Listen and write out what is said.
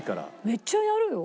めっちゃやるよ。